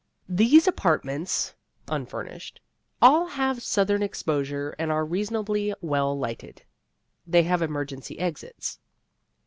These apartments (unfurnished) all have southern exposure and are reasonably well lighted. They have emergency exits.